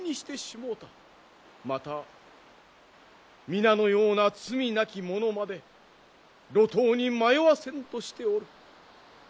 また皆のような罪なき者まで路頭に迷わせんとしておる。